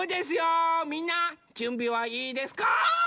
みんなじゅんびはいいですか？